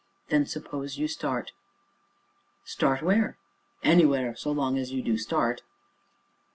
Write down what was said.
"Then suppose you start." "Start where?" "Anywhere, so long as you do start."